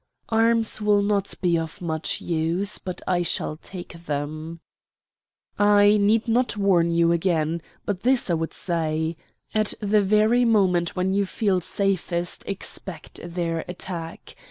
"Arms will not be of much use; but I shall take them." "I need not warn you again. But this I would say: At the very moment when you feel safest expect their attack.